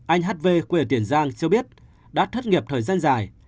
anh hv quyền tiền giang cho biết đã thất nghiệp thời gian dài